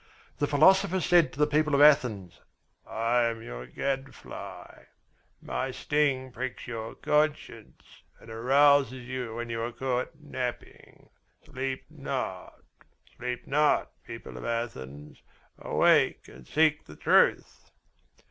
The philosopher said to the people of Athens: "I am your gadfly. My sting pricks your conscience and arouses you when you are caught napping. Sleep not, sleep not, people of Athens; awake and seek the truth!"